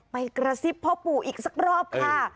ไปกระซิบพ่อปู่อีกสักรอบค่ะ